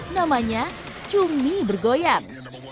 namanya cumi bergoyang